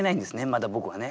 まだ僕はね。